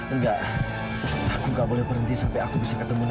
enggak aku gak boleh berhenti sampai aku bisa ketemu dengan